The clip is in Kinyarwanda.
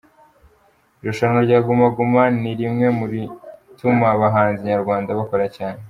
Irushanwa rya Guma Guma ni riwme murituma abahanzi nyarwanda bakora cyane.